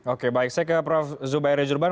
oke baik saya ke prof zubairi jurban